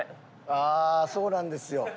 あーそうなんですよ。